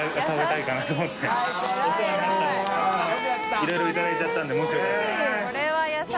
いろいろいただいちゃったんで發よかったら。